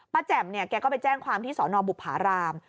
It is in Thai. ป้าแจมนี่กับก็ไปแจ้งความที่ศรบุภาราม